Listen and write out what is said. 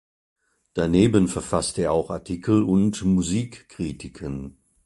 Daneben verfasste er auch Artikel und Musikkritiken.